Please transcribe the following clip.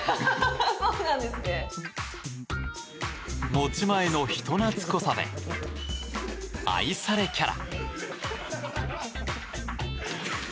持ち前の人懐こさで愛されキャラ。